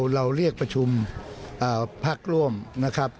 เราเรียกประชุมพักร่วมนะครับ